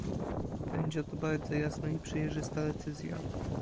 Będzie to bardzo jasna i przejrzysta decyzja